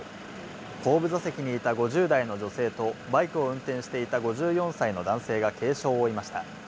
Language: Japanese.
後部座席にいた５０代の女性とバイクを運転していた５４歳の男性が軽傷を負いました。